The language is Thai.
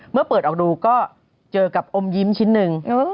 เมื่อเปิดออกดูก็เจอกับอมยิ้มชิ้นหนึ่ง